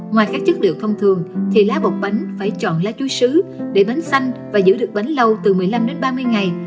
ngoài các chất liệu thông thường thì lá bột bánh phải chọn lá chuối xứ để bánh xanh và giữ được bánh lâu từ một mươi năm đến ba mươi ngày